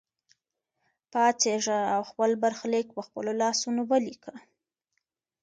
پاڅېږه او خپل برخلیک په خپلو لاسونو ولیکه.